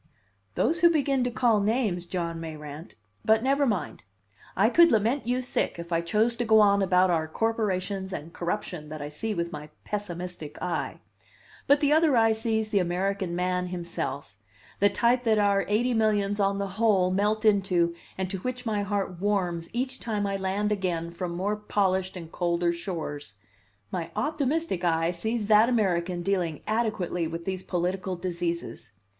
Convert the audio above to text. "Those who begin to call names, John Mayrant but never mind! I could lament you sick if I chose to go on about our corporations and corruption that I see with my pessimistic eye; but the other eye sees the American man himself the type that our eighty millions on the whole melt into and to which my heart warms each time I land again from more polished and colder shores my optimistic eye sees that American dealing adequately with these political diseases.